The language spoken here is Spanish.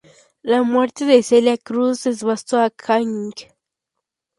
La muerte de Celia Cruz devastó a Knight.